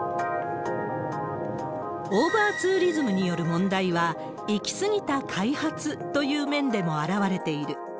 オーバーツーリズムによる問題は、行き過ぎた開発という面でも表れている。